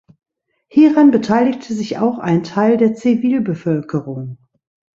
Hieran beteiligte sich auch ein Teil der Zivilbevölkerung.